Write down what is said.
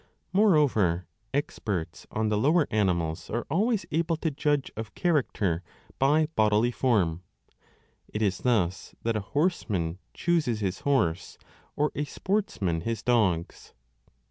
Moreover, experts 15 on the lower animals are always able to judge of character by bodily form : it is thus that a horseman chooses his horse or a sportsman his dogs.